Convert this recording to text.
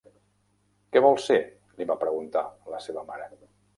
"Què vols ser?", li va preguntar la seva mare.